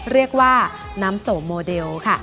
เรียกว่าน้ำโสมโมเดลค่ะ